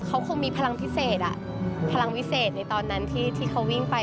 เขาคงมีพลังพิเศษพลังวิเศษในตอนนั้นที่เขาวิ่งไป